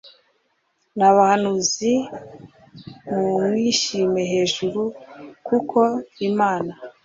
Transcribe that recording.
N abahanuzi muwishime hejuru kuko imana